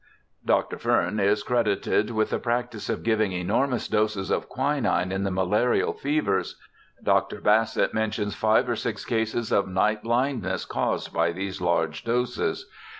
Dr. Fearn is credited with the practice of giving enormous doses of quinine in the malarial fevers. Dr. Bassett mentions five or six cases of night blindness caused by these large doses.